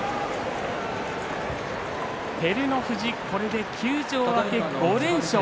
照ノ富士、これで休場明け５連勝。